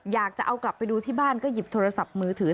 อยากจะเอากลับไปดูที่บ้านก็หยิบโทรศัพท์มือถือ